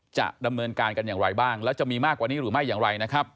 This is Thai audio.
จะดำเนินการกันอย่างไรบ้างแล้วจะมีมากกว่านี้หรือไม่อย่างไรนะครับ